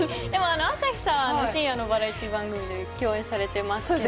朝日さんは深夜のバラエティー番組で共演されてますけど。